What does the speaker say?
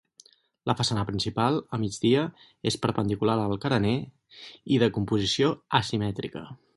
La façana principal, a migdia, és perpendicular al carener i de composició asimètrica.